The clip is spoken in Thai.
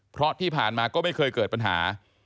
เพราะที่ผ่านมาก็ไม่เคยเกิดปัญหา